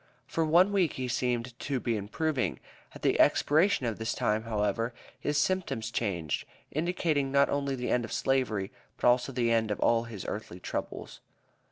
For one week he seemed to be improving; at the expiration of this time, however, his symptoms changed, indicating not only the end of slavery, but also the end of all his earthly troubles.